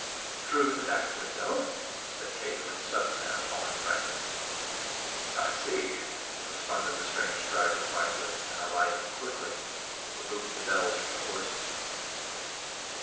"Through the back window," said Kate with sudden and appalling frankness. "I see!" responded their strange driver quietly and, alighting quickly, removed the bells from the horses.